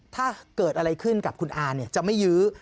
ถ้าเกิดอะไรขึ้นกับคุณอาจะไม่ยื้อ